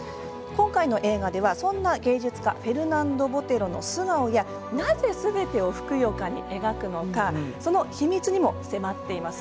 今回の映画ではそんな芸術家フェルナンド・ボテロの素顔やなぜすべてをふくよかに描くのかその秘密にも迫っています。